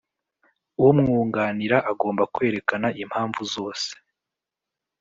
Umwunganira agomba kwerekana impamvu zose